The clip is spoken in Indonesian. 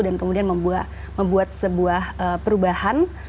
dan kemudian membuat sebuah perubahan